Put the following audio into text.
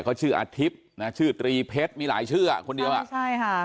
เขาชื่ออาทิตย์นะชื่อตรีเพชรมีหลายชื่ออ่ะคนเดียวอ่ะใช่ค่ะ